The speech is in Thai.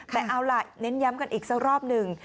แต่เอาล่ะเน้นย้ำกันอีกสักรอบหนึ่ง